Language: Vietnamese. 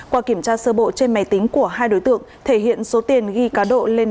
qua kiểm tra sơ bộ trên máy tính của hai đối tượng thể hiện số tiền ghi cáo độ lên đến gần chín trăm linh triệu đồng